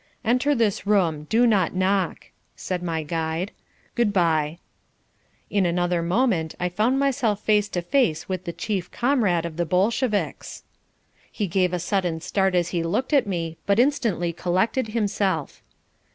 "Enter this room. Do not knock," said my guide. "Good bye." In another moment I found myself face to face with the chief comrade of the Bolsheviks. He gave a sudden start as he looked at me, but instantly collected himself.